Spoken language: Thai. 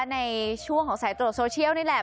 ในช่วงของสายตรวจโซเชียลนี่แหละ